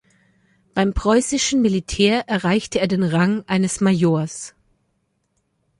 Beim preußischen Militär erreichte er den Rang eines Majors.